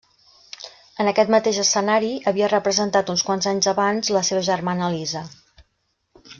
En aquest mateix escenari, havia representat uns quants anys abans la seva germana Elisa.